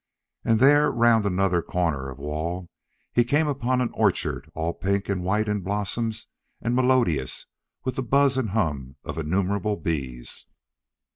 And there round another corner of wall he came upon an orchard all pink and white in blossom and melodious with the buzz and hum of innumerable bees.